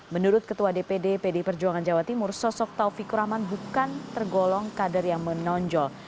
menurut ketua dpd pdi perjuangan jawa timur sosok taufikur rahman bukan tergolong kader yang menonjol